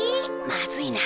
まずいな。